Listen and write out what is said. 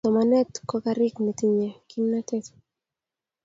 Somanet ko karik netinye kimnatet